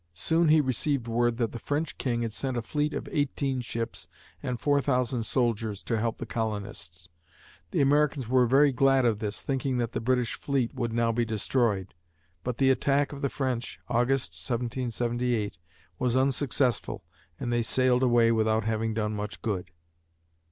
Soon he received word that the French King had sent a fleet of eighteen ships and four thousand soldiers to help the colonists. The Americans were very glad of this, thinking that the British fleet would now be destroyed; but the attack of the French (August, 1778) was unsuccessful and they sailed away without having done much good.